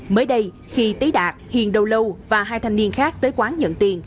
mới đây khi tý đạt hiền đầu lâu và hai thanh niên khác tới quán nhận tiền